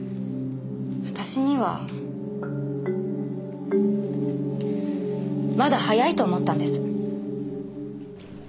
私にはまだ早いと思ったんです。